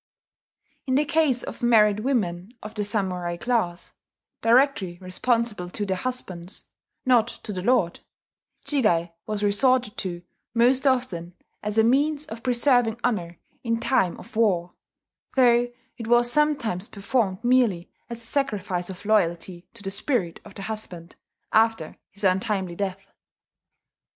In the case of married women of the samurai class, directly responsible to their husbands, not to the lord, jigai was resorted to most often as a means of preserving honour in time of war, though it was sometimes performed merely as a sacrifice of loyalty to the spirit of the husband, after his untimely death.